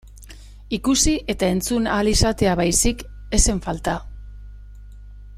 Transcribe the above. Ikusi eta entzun ahal izatea baizik ez zen falta.